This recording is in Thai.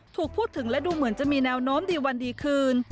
ถูกพูดถึงและดูเหมือนจะมีแนวโน้มดีวันดีคืน